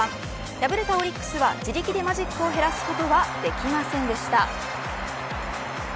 敗れたオリックスは自力でマジックを減らすことはできませんでした。